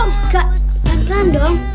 muka pelan pelan dong